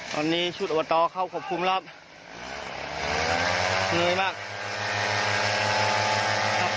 ตอนนี้ชุดอวตอเข้าขบคุมรอบมืดมาก